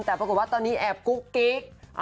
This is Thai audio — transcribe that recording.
แต่ปรากฏว่าตอนนี้แอบกุ๊กกิ๊ก